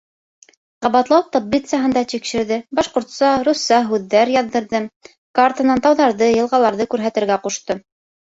Ҡабатлау таблицаһын да тикшерҙе, башҡортса, русса һүҙҙәр яҙҙырҙы, картанан тауҙарҙы, йылғаларҙы күрһәтергә ҡушты.